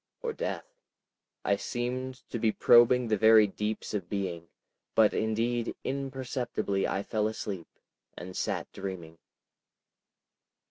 Or Death? ... I seemed to be probing the very deeps of being, but indeed imperceptibly I fell asleep, and sat dreaming.